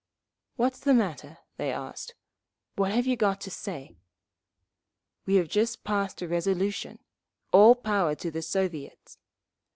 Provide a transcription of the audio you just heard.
'What's the matter?' they asked. 'What have you got to say? We have just passed a resolution, "All Power to the Soviets."